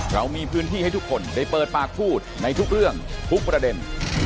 เรามีพื้นที่ให้ทุกคนได้เปิดปากพูดในทุกเรื่องทุกประเด็น